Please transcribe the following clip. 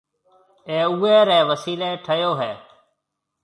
اَي اُوئي رَي وسيلَي ٺهيو هيَ۔